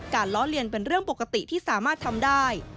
ล้อเลียนเป็นเรื่องปกติที่สามารถทำได้